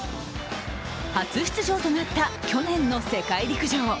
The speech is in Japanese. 初出場となった去年の世界陸上。